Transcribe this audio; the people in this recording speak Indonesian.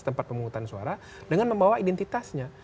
tempat pemungutan suara dengan membawa identitasnya